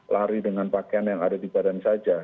lari dengan pakaian yang ada di badan saja